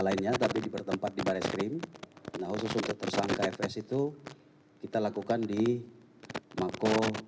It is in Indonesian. lainnya tapi di bertempat di barai skrim nah untuk tersangka fs itu kita lakukan di mako